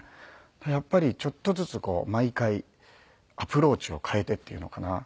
やっぱりちょっとずつこう毎回アプローチを変えてっていうのかな。